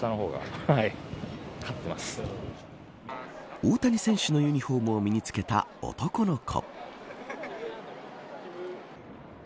大谷選手のユニホームを身に着けた男の子。